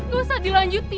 lo usah dilanjutin